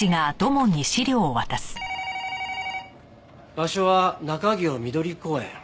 場所は中京みどり公園。